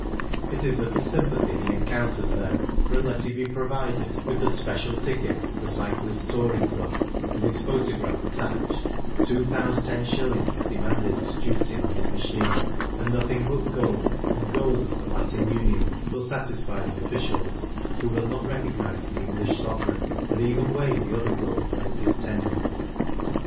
It is little sympathy he encounters there, for unless he be provided with the [^ E— —. MAUDE RS, IN THIi TVKOL, THE STELVIO 19 " special " ticket of the Cyclists* Touring Club, with his photograph attached, £2 IDS. is demanded as duty on his machine, and nothing but gold, and gold of the Latin union, will satisfy the officials, who will not recognise the English sove reign, and even weigh the other gold when it is tendered.